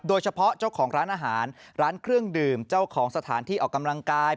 โดยเฉพาะเจ้าของร้านอาหารร้านเครื่องดื่มเจ้าของสถานที่ออกกำลังกาย